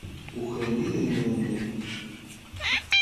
Ukren idrimen-nni.